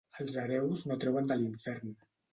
Els hereus no treuen de l'infern.